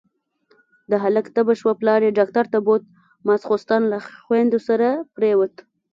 د هلک تبه شوه، پلار يې ډاکټر ته بوت، ماسختن له خويندو سره پرېووت.